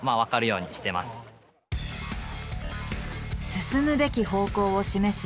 進むべき方向を示す